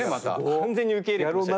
完全に受け入れてました。